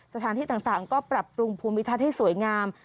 สถานที่ต่างก็ปรับปรุงภูมิทัศน์ให้สวยงาม